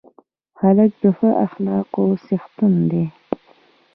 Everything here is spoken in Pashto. هلک د ښه اخلاقو څښتن دی.